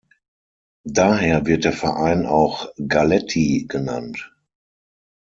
Daher wird der Verein auch "Galletti" genannt.